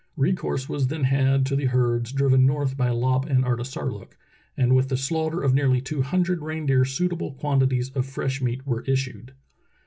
Recourse was then had to the herds driven north by Lopp and Artisarlook, and with the slaughter of nearly two hundred reindeer suitable quantities of fresh meat were issued.